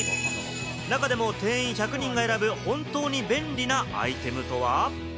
中でも店員１００人が選ぶ本当に便利なアイテムとは？